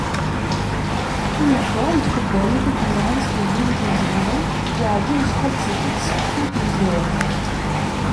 Imḍebbren n tkkebanit i d-yelhan s lebni n tnezduɣin, weɛden acḥal d tikelt s keffu n tnezduɣin.